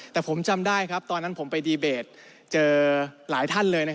แต่ผมจำได้ครับตอนนั้นผมไปดีเบตเจอหลายท่านเลย